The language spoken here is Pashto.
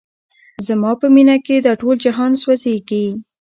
زما په مینه کي دا ټول جهان سوځیږي